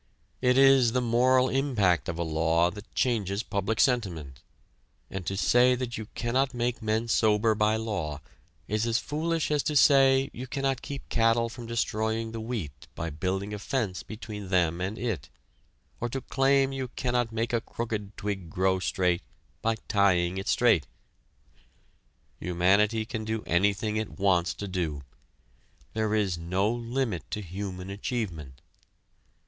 It is the moral impact of a law that changes public sentiment, and to say that you cannot make men sober by law is as foolish as to say you cannot keep cattle from destroying the wheat by building a fence between them and it, or to claim you cannot make a crooked twig grow straight by tying it straight. Humanity can do anything it wants to do. There is no limit to human achievement.